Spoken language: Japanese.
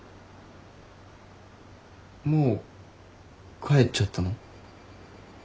もう帰っちゃったの？